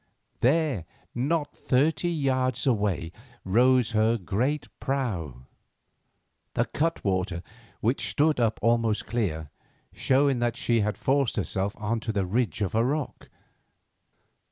There, not thirty yards away, rose her great prow; the cutwater, which stood up almost clear, showing that she had forced herself on to a ridge of rock.